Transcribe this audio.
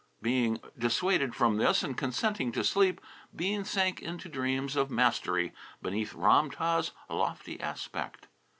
Being dissuaded from this and consenting to sleep, Bean sank into dreams of mastery beneath Ram tah's lofty aspect.